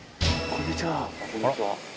こんにちは。